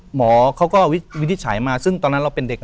หมอเขาก็วินิจฉัยมาซึ่งตอนนั้นเราเป็นเด็ก